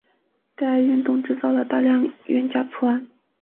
该运动制造了大量冤假错案。